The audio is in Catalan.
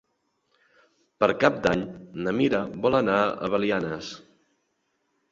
Per Cap d'Any na Mira vol anar a Belianes.